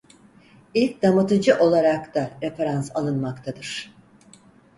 İlk damıtıcı olarak da referans alınmaktadır.